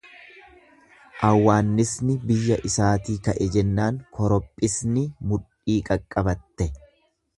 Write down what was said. Awwaannisni biyya isaatii ka'e jennaan korophisni mudhii qaqqabatte.